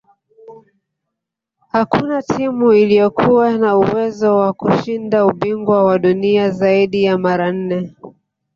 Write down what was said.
hakuna timu iliyokuwa na uwezo wa kushinda ubingwa wa dunia zaidi ya mara nne